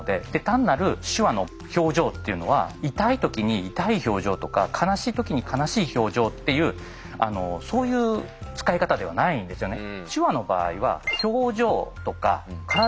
単なる手話の表情っていうのは痛い時に痛い表情とか悲しい時に悲しい表情っていうそういう使い方ではないんですよね。